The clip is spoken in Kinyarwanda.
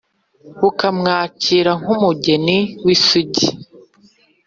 bukamwakira nk’umugeni w’isugi,